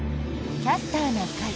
「キャスターな会」。